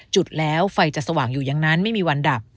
จุดแล้วไฟจะสว่างอยู่อย่างนั้นไม่มีวันดับ